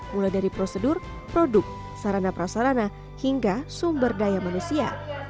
mulai dari prosedur produk sarana prasarana hingga sumber daya manusia